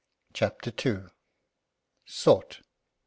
CHAPTER II. SOUGHT.